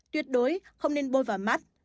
tuyệt đối không nên bôi vào mắt